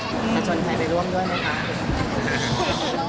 จะชวนถ่ายไปร่วมด้วยไหมครับ